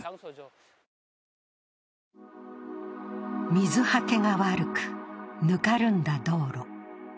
水はけが悪く、ぬかるんだ道路。